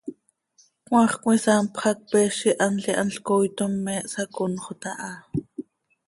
Cmaax cömisaanpx hac, peez ihanl ihanl cooitom me hsaconxot aha.